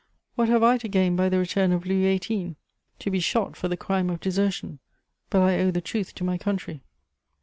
What have I to gain by the return of Louis XVIII.? To be shot for the crime of desertion. But I owe the truth to my country."